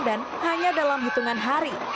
dan hanya dalam hitungan hari